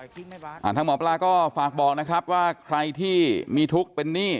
ทางหมอปลาก็ฝากบอกนะครับว่าใครที่มีทุกข์เป็นหนี้